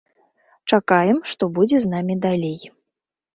Чакаем, што будзе з намі далей.